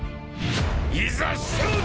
いざ勝負！